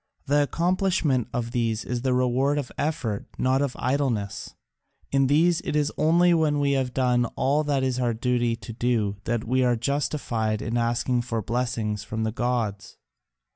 The accomplishment of these is the reward of effort, not of idleness; in these it is only when we have done all that it is our duty to do that we are justified in asking for blessings from the gods."